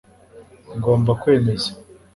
Ngomba kwemeza